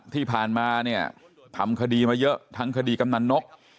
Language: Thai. ที่ผ่านมาเนี่ยทำคดีมาเยอะทั้งคดีกำนันนก